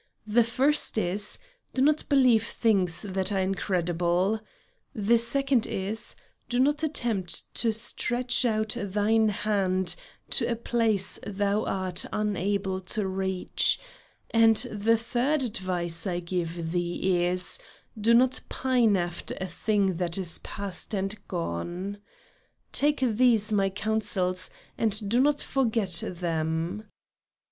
The first is, do not believe things that are incredible; the second is, do not attempt to stretch out thine hand to a place thou art unable to reach; and the third advice I give thee is, do not pine after a thing that is past and gone. Take these my counsels and do not forget them."